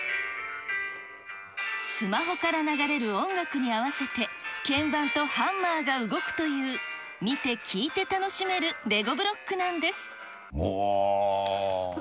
スマホから流れる音楽に合わせて、鍵盤とハンマーが動くという見て、聴いて楽しめるレゴブロックなんです。